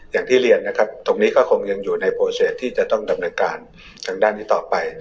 อย่างที่เรียนนะครับตรงนี้ก็คงยังอยู่ในโปรเศษที่จะต้องดำเนินการทางด้านนี้ต่อไป